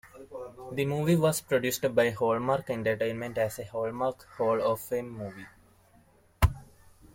The movie was produced by Hallmark Entertainment as a Hallmark Hall of Fame Movie.